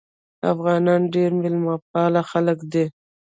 افغانان ډېر میلمه پال خلک دي.